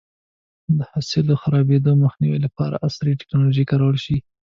د حاصل د خرابېدو مخنیوی لپاره عصري ټکنالوژي کارول شي.